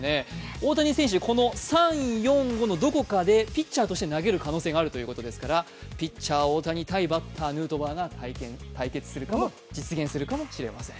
大谷選手、３、４、５のどこかでピッチャーとして投げる可能性もあるということですからピッチャー・大谷対バッター・ヌートバー、対決が実現するかもしれません。